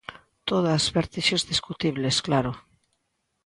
Todas, vertixes discutibles, claro.